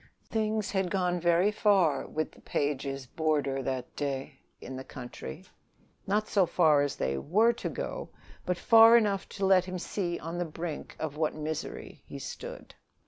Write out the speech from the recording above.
Things had gone very far with the Pages' roomer that day in the country; not so far as they were to go, but far enough to let him see on the brink of what misery he stood.